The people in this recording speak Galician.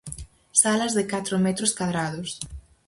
Salas de catro metros cadrados.